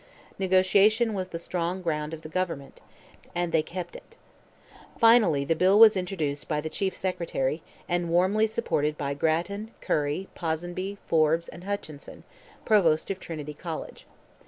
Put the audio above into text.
Negotiation was the strong ground of the government, and they kept it. Finally, the bill was introduced by the Chief Secretary, and warmly supported by Grattan, Curran, Ponsonby, Forbes, and Hutchinson, Provost of Trinity College.